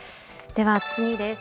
では、次です。